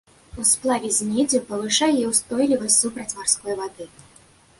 У сплаве з меддзю павышае яе ўстойлівасць супраць марской вады.